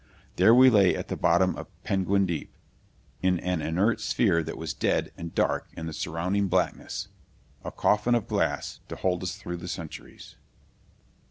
There we lay at the bottom of Penguin Deep, in an inert sphere that was dead and dark in the surrounding blackness a coffin of glass to hold us through the centuries....